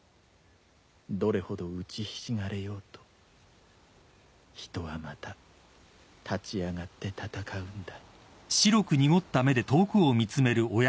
どれほどうちひしがれようと人はまた立ち上がって戦うんだ。